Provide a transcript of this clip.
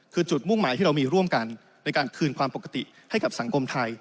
คือจุดมุ่งหมายที่เรามีร่วมกันในการคืนความปกติให้กับสังคมไทย